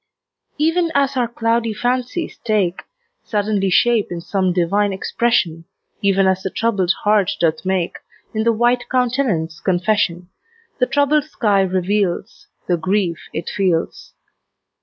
Even as our cloudy fancies take Suddenly shape in some divine expression, Even as the troubled heart doth make In the white countenance confession, The troubled sky reveals The grief it feels.